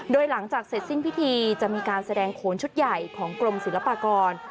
โดยหลังจากเสร็จสิ้นพิธีจะมีการแสดงโขนชุดใหญ่ของกรมศิลปากร